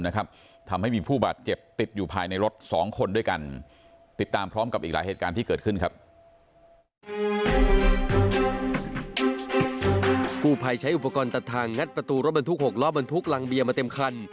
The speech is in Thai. กูภายใช้อุปกรณ์ตัดทางงัดประตูรถบันทุก๖ล้อบันทุกหลังเบียมาเต็มคัน